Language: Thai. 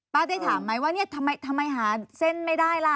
ได้ถามไหมว่าเนี่ยทำไมหาเส้นไม่ได้ล่ะ